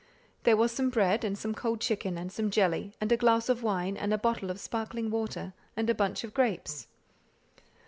There was some bread, and some cold chicken, and some jelly, and a glass of wine, and a bottle of sparkling water, and a bunch of grapes.